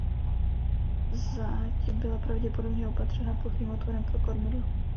Záď byla pravděpodobně opatřena plochým otvorem pro kormidlo.